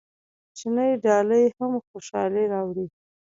کوچنۍ ډالۍ هم خوشحالي راوړي.